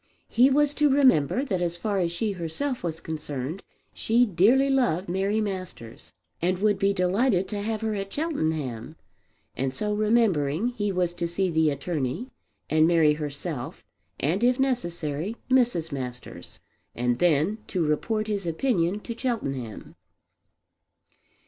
He was to remember that as far as she herself was concerned, she dearly loved Mary Masters and would be delighted to have her at Cheltenham; and, so remembering, he was to see the attorney, and Mary herself, and if necessary Mrs. Masters; and then to report his opinion to Cheltenham.